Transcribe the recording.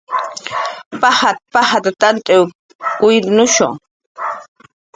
"Pajat"" pajat""w t'ant kuytnushu"